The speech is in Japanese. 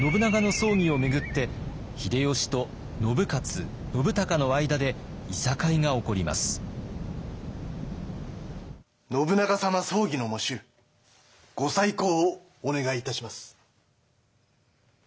葬儀の喪主ご再考をお願いいたします。